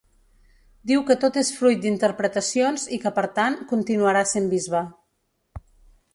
Diu que tot és fruit dinterpretacions i que per tant, continuarà sent bisbe.